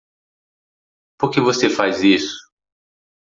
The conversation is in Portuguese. Por que você faz isso?